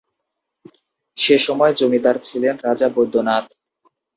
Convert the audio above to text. সেসময় জমিদার ছিলেন রাজা বৈদ্যনাথ।